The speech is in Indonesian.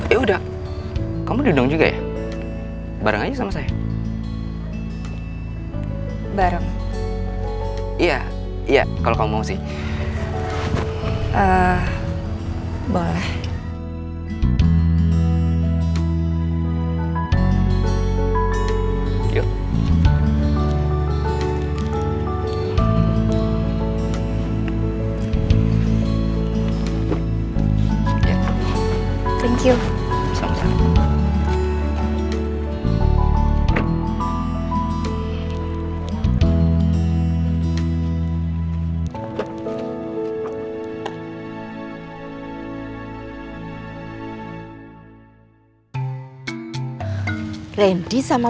eh udah kamu diundang juga ya bareng aja sama saya